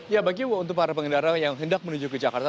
ya bagi untuk para pengendara yang hendak menuju ke jakarta